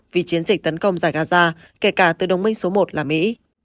vì chiến dịch tấn công giải gaza kể cả từ đồng minh số một là mỹ